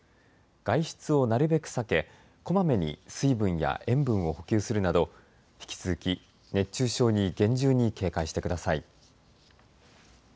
外出をなるべく避けこまめに水分や塩分を補給するなど引き続き熱中症に厳重に警戒してください。